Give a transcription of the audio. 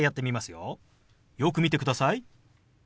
よく見てください。